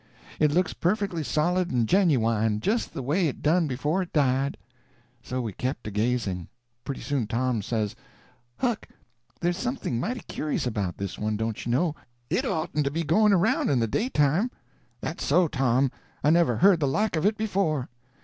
It looks perfectly solid and genuwyne, just the way it done before it died." So we kept a gazing. Pretty soon Tom says: "Huck, there's something mighty curious about this one, don't you know? IT oughtn't to be going around in the daytime." "That's so, Tom—I never heard the like of it before."